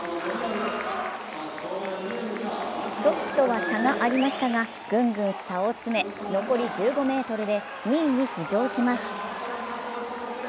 トップとは差がありましたが、グングン差を詰め、残り１５ｍで２位に浮上します。